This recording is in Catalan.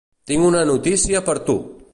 Tinc una notícia per a tu!